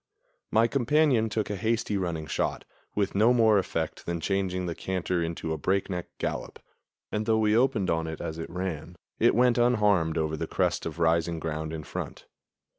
My companion took a hasty, running shot, with no more effect than changing the canter into a breakneck gallop; and, though we opened on it as it ran, it went unharmed over the crest of rising ground in front.